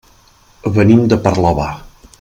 Venim de Parlavà.